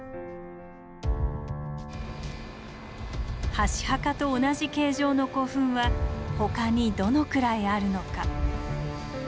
箸墓と同じ形状の古墳は他にどのくらいあるのか。